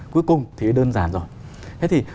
cuối cùng thì đơn giản rồi